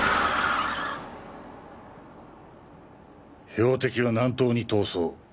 標的は南東に逃走。